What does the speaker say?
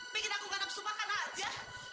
bikin aku gak napsup makan aja